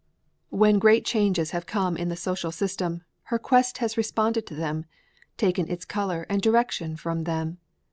When great changes have come in the social system, her quest has responded to them, taken its color and direction from them.